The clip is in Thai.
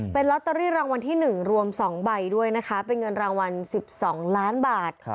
เป็นลอตเตอรี่รางวัลที่๑รวม๒ใบด้วยนะคะเป็นเงินรางวัล๑๒ล้านบาท